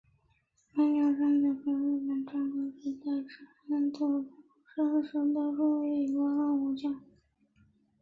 白鸟长久是日本战国时代至安土桃山时代于出羽国的武将。